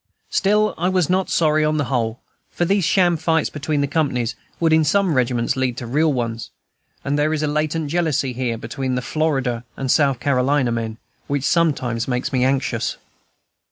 Still I was not sorry, on the whole; for these sham fights between companies would in some regiments lead to real ones, and there is a latent jealousy here between the Florida and South Carolina men, which sometimes makes me anxious.